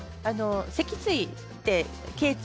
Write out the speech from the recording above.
脊椎ってけい椎